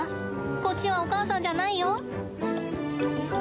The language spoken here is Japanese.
こっちは、お母さんじゃないよ。